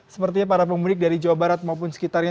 sepertinya para pemudik dari jawa barat maupun sekitarnya